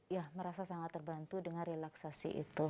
ya merasa sangat terbantu dengan relaksasi itu